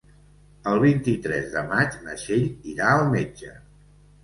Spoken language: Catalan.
El vint-i-tres de maig na Txell irà al metge.